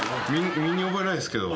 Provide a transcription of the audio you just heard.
身に覚えないっすけど。